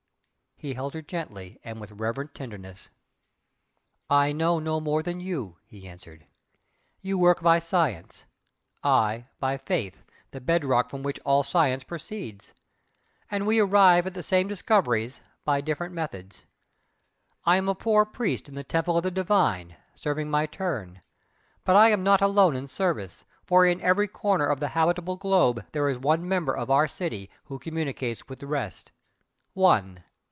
He held her gently and with reverent tenderness. "I know no more than you," he answered "you work by Science I, by Faith, the bed rock from Which all science proceeds and we arrive at the same discoveries by different methods. I am a poor priest in the temple of the Divine, serving my turn but I am not alone in service, for in every corner of the habitable globe there is one member of our 'City' who communicates with the rest. One!